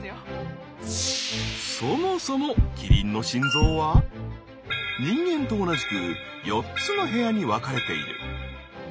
そもそもキリンの心臓は人間と同じく４つの部屋に分かれている。